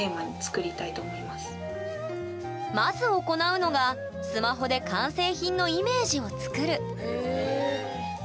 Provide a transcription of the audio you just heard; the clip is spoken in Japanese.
まず行うのがスマホで完成品のイメージを作るえ。